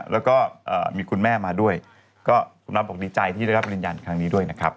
แล้วก็มีคุณแม่มาด้วยก็คุณนัทบอกดีใจที่ได้รับริญญาณครั้งนี้ด้วยนะครับ